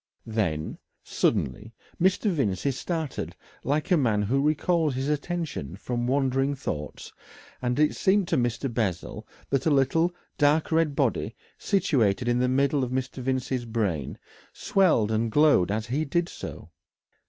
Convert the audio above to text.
Then, suddenly, Mr. Vincey started like a man who recalls his attention from wandering thoughts, and it seemed to Mr. Bessel that a little dark red body situated in the middle of Mr. Vincey's brain swelled and glowed as he did so.